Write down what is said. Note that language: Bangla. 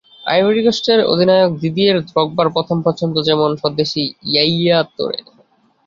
আইভরি কোস্টের অধিনায়ক দিদিয়ের দ্রগবার প্রথম পছন্দ যেমন স্বদেশি ইয়াইয়া তোরে।